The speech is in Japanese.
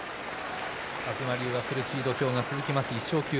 東龍は苦しい土俵が続きます。